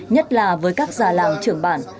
nhất là với các già làng trưởng bản